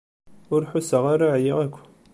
Ur ḥusseɣ ara ɛyiɣ akk.